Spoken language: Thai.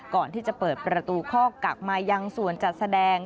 ก่อนที่จะเปิดประตูคอกักมายังส่วนจัดแสดง